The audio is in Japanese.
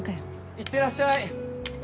いってらっしゃい！